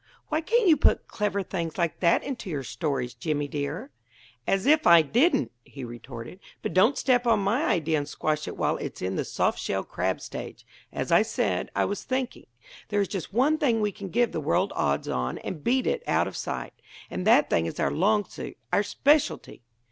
"Why can't you put clever things like that into your stories, Jimmy, dear?" "As if I didn't!" he retorted. "But don't step on my idea and squash it while it's in the soft shell crab stage. As I said, I was thinking: there is just one thing we can give the world odds on and beat it out of sight. And that thing is our long suit our specialty."